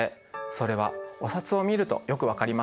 それはお札を見るとよく分かります。